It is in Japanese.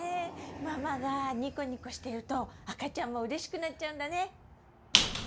ママがニコニコしていると赤ちゃんもうれしくなっちゃうんだね！